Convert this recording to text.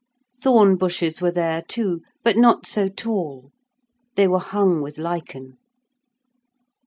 Thorn bushes were there, too, but not so tall; they were hung with lichen.